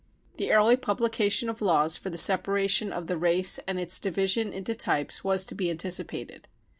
. 46 The early publication of laws for the separation of the race and its division into types was to be anticipated